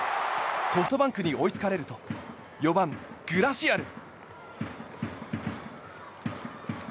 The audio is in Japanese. ソフトバンクに追いつかれると４番、グラシアル。